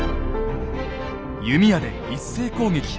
弓矢で一斉攻撃。